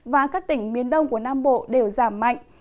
và các tỉnh miền đông của nam bộ đều giảm mạnh